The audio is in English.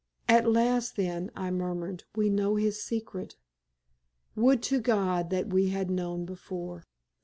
"At last, then," I murmured, "we know his secret. Would to God that we had known before."